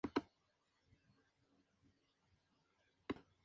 Los directores fueron arrestados y llevados a la Torre de Londres.